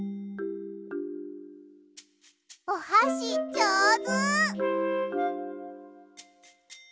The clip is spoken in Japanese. おはしじょうず！